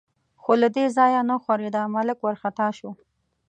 خو له دې ځایه نه ښورېده، ملک وارخطا شو.